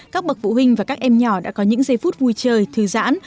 các bậc vũ hình và các em nhỏ đã có những giây phút vui chơi thư giãn